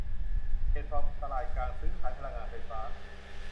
แพลตฟอร์มตลาดกลางซื้อขายพลังงานไฟฟ้า